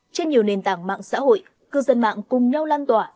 trên nhiều nền tảng mạng xã hội cư dân mạng cùng nhau lan tỏa